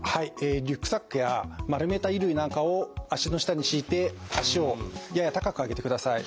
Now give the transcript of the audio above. リュックサックや丸めた衣類なんかを脚の下に敷いて脚をやや高く上げてください。